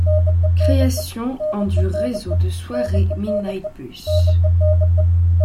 Création en du réseau de soirée Midnight Bus.